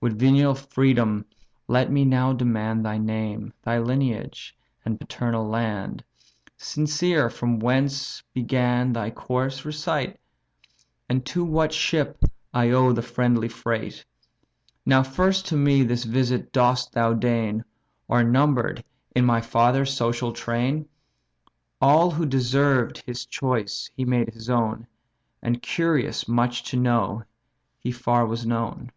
With venial freedom let me now demand Thy name, thy lineage, and paternal land; Sincere from whence began thy course, recite, And to what ship I owe the friendly freight? Now first to me this visit dost thou deign, Or number'd in my father's social train? All who deserved his choice he made his own, And, curious much to know, he far was known."